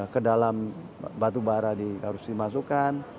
ke dalam batubara harus dimasukkan